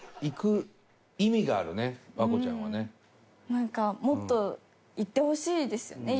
なんかもっと行ってほしいですよね。